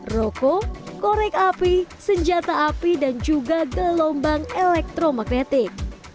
rokok korek api senjata api dan juga gelombang elektromagnetik